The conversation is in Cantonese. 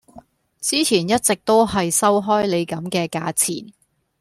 之前一直都係收開你咁嘅價錢